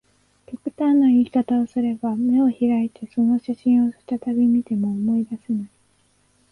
極端な言い方をすれば、眼を開いてその写真を再び見ても、思い出せない